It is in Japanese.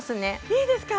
いいですか？